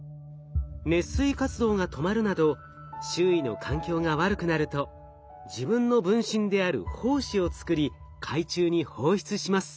熱水活動が止まるなど周囲の環境が悪くなると自分の分身である胞子を作り海中に放出します。